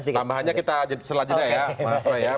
tambahannya kita selanjutnya ya